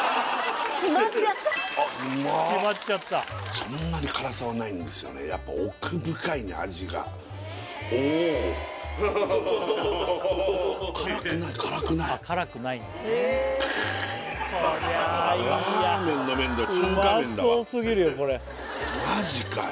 そんなに辛さはないんですよねやっぱ奥深いね味がお辛くない辛くないカーッラーメンの麺だよ